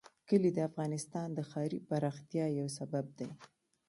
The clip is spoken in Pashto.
کلي د افغانستان د ښاري پراختیا یو سبب دی.